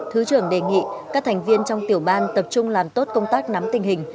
thứ trưởng đề nghị các thành viên trong tiểu ban tập trung làm tốt công tác nắm tình hình